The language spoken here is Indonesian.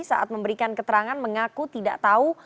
saat memberikan keterangan mengaku tidak tahu